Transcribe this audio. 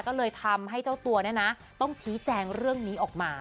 ก็เลยทำให้เจ้าตัวเนี่ยนะต้องชี้แจงเรื่องนี้ออกมา